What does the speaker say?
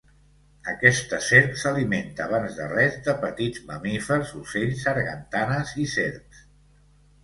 Aquesta serp s'alimenta abans de res de petits mamífers, ocells, sargantanes i serps.